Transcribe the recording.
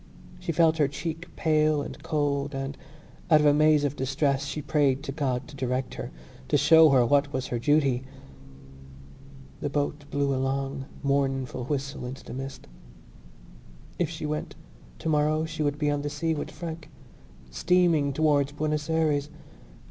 She felt her cheek pale and cold and, out of a maze of distress, she prayed to God to direct her, to show her what was her duty. The boat blew a long mournful whistle into the mist. If she went, tomorrow she would be on the sea with Frank, steaming towards Buenos Ayres.